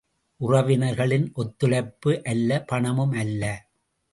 உறவினர்களின் ஒத்துழைப்பு அல்ல, பணமும் அல்ல.